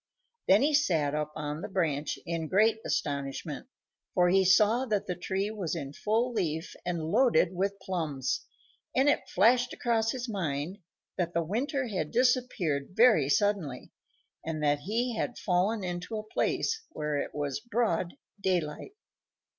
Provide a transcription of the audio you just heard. Then he sat up on the branch in great astonishment, for he saw that the tree was in full leaf and loaded with plums, and it flashed across his mind that the winter had disappeared very suddenly, and that he had fallen into a place where it was broad daylight.